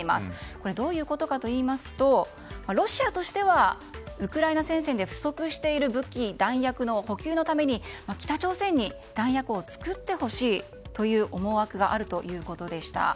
これどういうことかといいますとロシアとしてはウクライナ戦線で不足している武器・弾薬の補給のために北朝鮮に弾薬を作ってほしいという思惑があるということでした。